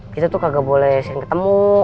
kita tuh kagak boleh sering ketemu